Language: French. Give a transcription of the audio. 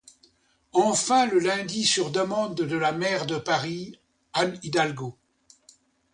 Enfin le lundi sur demande de la maire de Paris, Anne Hidalgo.